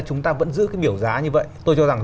chúng ta vẫn giữ cái biểu giá như vậy tôi cho rằng